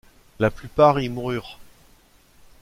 La plupart y moururent.